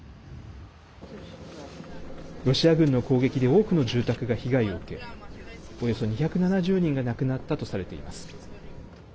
ロシア軍の攻撃で多くの住宅が被害を受けおよそ２７０人が亡くなったとされています。